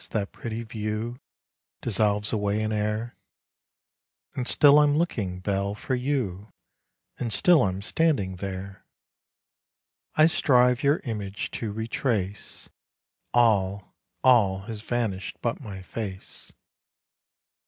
That pretty view Dissolves away in air, And still I'm looking, Belle, for you, And still I'm standing there; I strive your image to retrace All, all has vanished but my face.